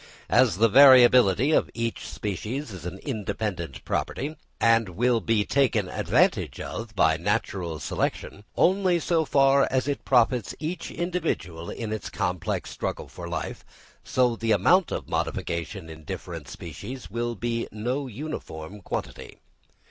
As the variability of each species is an independent property, and will be taken advantage of by natural selection, only so far as it profits each individual in its complex struggle for life, so the amount of modification in different species will be no uniform quantity.